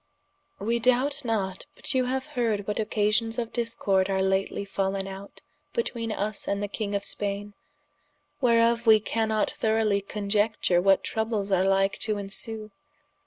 ] _We doubt not, but you haue heard what occasions of discorde are lately fallen out betweene vs and the king of Spaine, whereof wee cannot throughly coniecture what troubles are like to ensue.